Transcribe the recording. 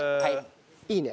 いいね。